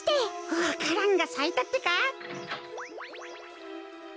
わか蘭がさいたってか。